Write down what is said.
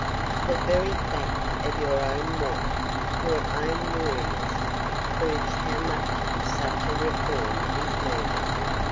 The very fact of your own want, your own weariness, proves how much such a reform is needed.